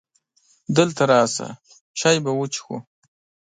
دلته راشه! چای به وڅښو .